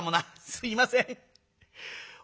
「すいません帯も」。